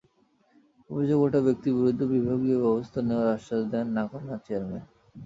অভিযোগ ওঠা ব্যক্তির বিরুদ্ধে বিভাগীয় ব্যবস্থা নেওয়ার আশ্বাস দেন নাকানা চেয়ারম্যান।